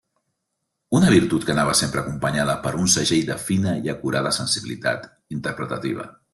Una virtut que anava sempre acompanyada per un segell de fina i acurada sensibilitat interpretativa.